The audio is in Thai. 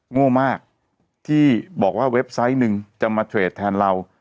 โง่มากที่บอกว่าเว็บไซต์หนึ่งจะมาเทรดแทนเรา